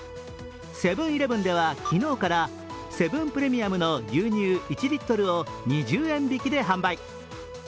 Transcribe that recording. セブン−イレブンでは昨日からセブンプレミアムの牛乳１リットルを２０円引きで販売。